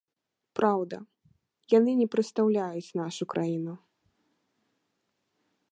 Праўда, яны не прадстаўляюць нашу краіну.